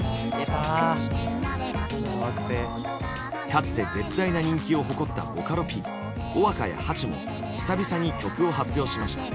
かつて絶大な人気を誇ったボカロＰｗｏｗａｋａやハチも久々に曲を発表しました。